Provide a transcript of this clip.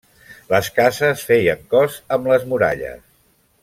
Les cases feien cos amb les muralles.